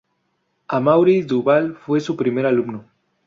Amaury Duval fue su primer alumno.